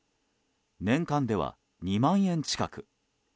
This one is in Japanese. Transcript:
年間では２万円近く。